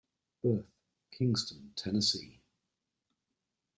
Birth: Kingston, Tenn.